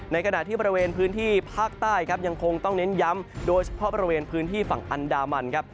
ขณะที่บริเวณพื้นที่ภาคใต้ครับยังคงต้องเน้นย้ำโดยเฉพาะบริเวณพื้นที่ฝั่งอันดามันครับ